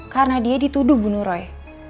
karena dia dituduh bunuh roy